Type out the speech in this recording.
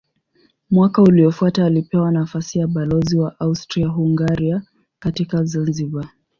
Mwaka uliofuata alipewa nafasi ya balozi wa Austria-Hungaria katika Zanzibar.